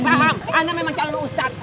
tolong anda memang calon ustadz